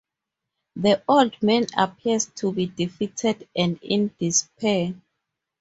The old man appears to be defeated and in despair.